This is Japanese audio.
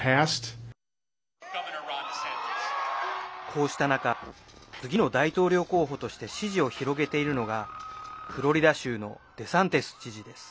こうした中次の大統領候補として支持を広げているのがフロリダ州のデサンティス知事です。